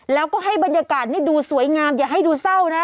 แล้วก็ให้บรรยากาศนี่ดูสวยงามอย่าให้ดูเศร้านะ